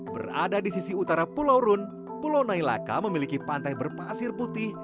berada di sisi utara pulau rune pulau nailaka memiliki pantai berpasir putih